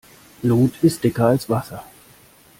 Blut ist dicker als Wasser.